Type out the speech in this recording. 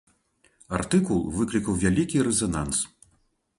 Артыкул выклікаў вялікі рэзананс.